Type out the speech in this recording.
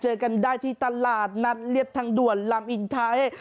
เจอกันได้ที่ตลาดนัดเรียบทางด่วนลำอินไทย